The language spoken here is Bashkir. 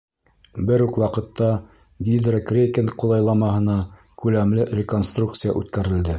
Бер үк ваҡытта гидрокрекинг ҡулайламаһына күләмле реконструкция үткәрелде.